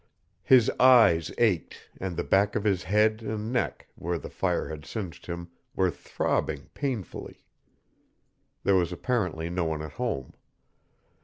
His eyes ached, and the back of his head and neck, where the fire had singed him, were throbbing painfully. There was apparently no one at home.